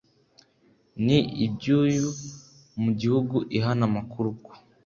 N iby uyu mu gihugu ihana amakuru ku